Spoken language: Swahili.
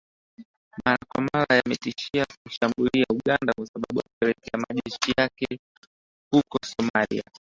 mara kwa mara yametishia kuishambulia uganda kwa sababu ya kupeleka majeshi yake huko somalia